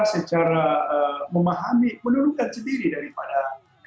secara memahami menurunkan sendiri daripada